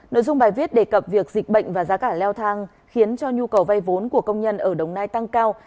nội dung bài viết đề cập việc dịch bệnh và giá cả leo thang khiến cho nhu cầu vay vốn của công nhân ở đồng nai tăng cao